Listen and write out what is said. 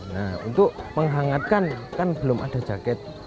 nah untuk menghangatkan kan belum ada jaket